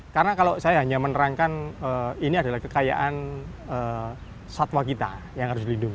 karena kalau saya hanya menerangkan ini adalah kekayaan satwa kita yang harus dilindungi